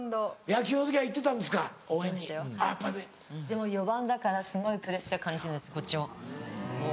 でも４番だからすごいプレッシャー感じるんですこっちも。